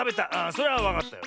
それはわかったよ。